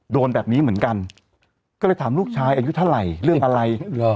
โดนแบบนี้เหมือนกันก็เลยถามลูกชายอายุเท่าไหร่เรื่องอะไร